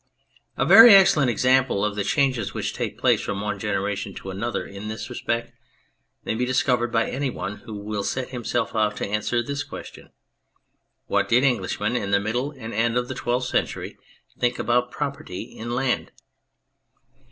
A very excellent example of the changes which take place from one generation to another in this respect may be discovered by any one who will set himself out to answer this question :" What did Englishmen in the middle and end of the Twelfth Century think about property in land